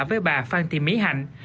với bà phan thị mỹ hạnh